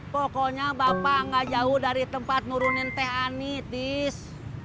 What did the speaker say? pokoknya bapak nggak jauh dari tempat nurunin teh anitis